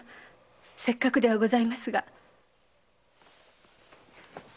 せっかくではございますが。